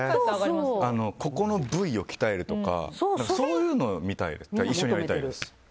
ここの部位を鍛えるとかそういうのを一緒にやりたいです。